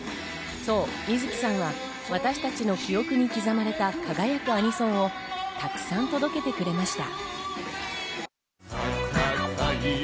水木さんは私たちの記憶に刻まれた輝くアニソンをたくさん届けてくれました。